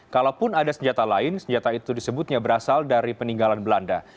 kalaupun ada senjata lain senjata itu disebutnya berasal dari peninggalan belanda